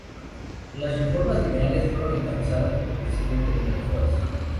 Las reformas liberales fueron encabezadas por el presidente Benito Juárez.